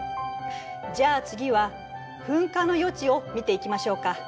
じゃあ次は噴火の予知を見ていきましょうか。